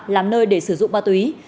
làm nơi để sử dụng ma túy